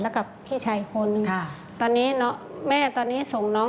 แล้วกับพี่ชายคน